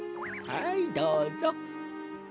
はいどうぞ。